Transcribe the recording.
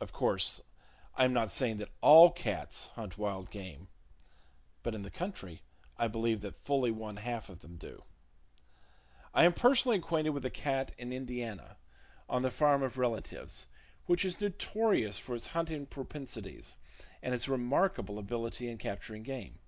Of course I am not saying that all cats hunt wild game; but in the country I believe that fully one half of them do. I am personally acquainted with a cat in Indiana, on the farm of relatives, which is notorious for its hunting propensities, and its remarkable ability in capturing game.